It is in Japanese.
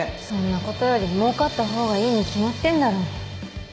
そんなことより儲かったほうがいいに決まってんだろ。